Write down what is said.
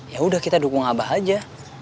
yaudah kita dukung abah aja